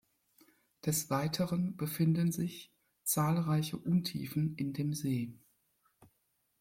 Des Weiteren befinden sich zahlreiche Untiefen in dem See.